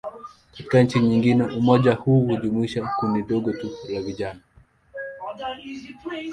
Katika nchi nyingine, umoja huu hujumuisha kundi dogo tu la vijana.